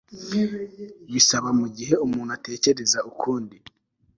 bisaba mugihe umuntu atekereza ukundi